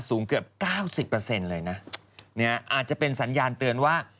สูงเกือบ๙๐เลยนะเนี่ยอาจจะเป็นสัญญาณเตือนว่า